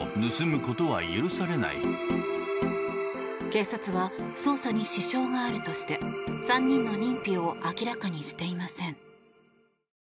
警察は捜査に支障があるとして３人の認否を明らかにしていません。